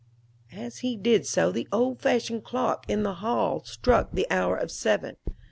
'" "As he did so the old fashioned clock in the hall struck the hour of seven."